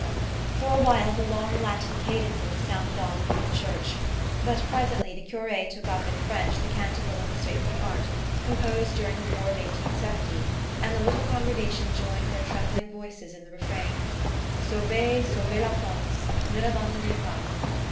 For a while the long Latin cadences sounded on through the church; but presently the cure took up in French the Canticle of the Sacred Heart, composed during the war of 1870, and the little congregation joined their trembling voices in the refrain: "_Sauvez, sauvez la France, Ne l'abandonnez pas!